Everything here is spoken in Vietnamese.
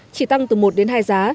chỉ tăng từ một hai giá